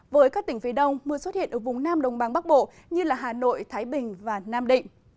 với các tỉnh phía đông mưa xuất hiện ở vùng nam đông băng bắc bộ như hà nội thái bình và nam định